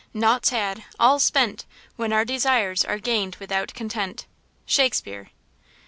Naught's had! all's spent! When our desires are gained without content. –SHAKESPEARE.